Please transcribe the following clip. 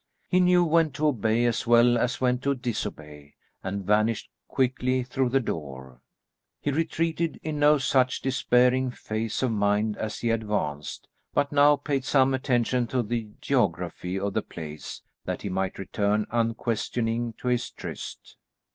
He knew when to obey, as well as when to disobey, and vanished quickly through the door. He retreated in no such despairing phase of mind as he had advanced, but now paid some attention to the geography of the place that he might return unquestioning to his tryst.